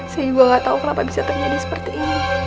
saya juga gak tahu kenapa bisa terjadi seperti ini